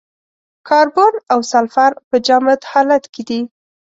کاربن او سلفر په جامد حالت کې دي.